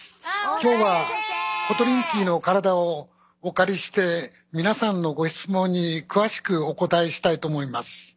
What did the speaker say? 今日はコトリンキーの体をお借りして皆さんのご質問に詳しくお答えしたいと思います。